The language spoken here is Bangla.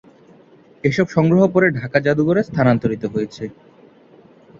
এসব সংগ্রহ পরে ঢাকা জাদুঘরে স্থানান্তরিত হয়েছে।